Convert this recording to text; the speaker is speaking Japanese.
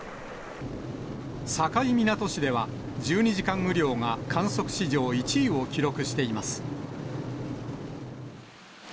境港市では、１２時間雨量が観測史上１位を記録しています。